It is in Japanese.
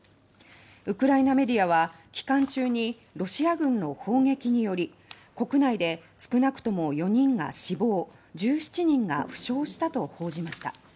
ウクライナメディアは期間中にロシア軍の砲撃により国内で少なくとも４人が死亡１７人が負傷したと報じました。